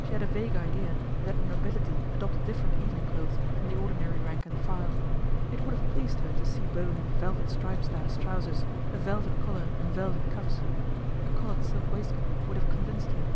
She had a vague idea that the nobility adopted different evening clothes from the ordinary rank and file. It would have pleased her to see Bowen with velvet stripes down his trousers, a velvet collar and velvet cuffs. A coloured silk waistcoat would have convinced her.